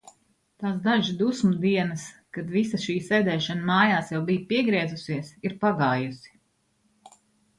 Tās dažas dusmu dienas, kad visa šī sēdēšana mājās jau bija piegriezusies, ir pagājusi.